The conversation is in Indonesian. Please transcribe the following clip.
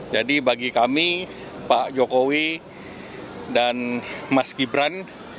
jadi bagi kami pak jokowi dan mas gibran